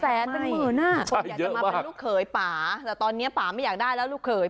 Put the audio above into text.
อยากจะมาเป็นลูกเขยป่าแต่ตอนนี้ป่าไม่อยากได้แล้วลูกเขย